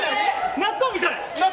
納豆みたい！